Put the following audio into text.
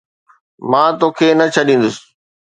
مان توکي نه ڇڏيندس